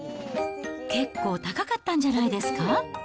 結構高かったんじゃないですか。